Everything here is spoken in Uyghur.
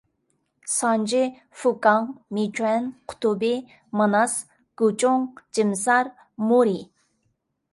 سانجى، فۇكاڭ، مىچۈەن، قۇتۇبى، ماناس، گۇچۇڭ، جىمىسار، مورى.